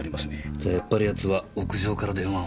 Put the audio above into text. じゃやっぱりヤツは屋上から電話を。